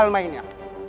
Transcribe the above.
umi mau kemana